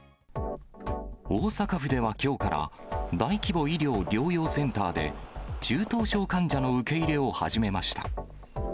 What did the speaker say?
大阪府ではきょうから、大規模医療・療養センターで、中等症患者の受け入れを始めました。